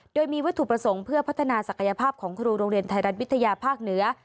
โดยมีวัตถุประสงค์เพื่อพัฒนาศักยภาพของครูโรงเรียนไทยรัฐวิทยาภาคเหนือ